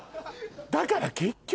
だから結局。